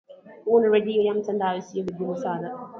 kuunda redio ya mtandao siyo vigumu sana